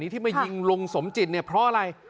ที่มายิงลุงสมจิตเนี่ยเพราะอะไร